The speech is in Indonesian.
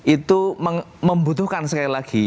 itu membutuhkan sekali lagi